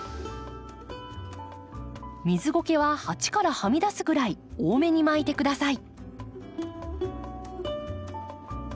水ゴケは鉢からはみ出すぐらい多めに巻いて下さい。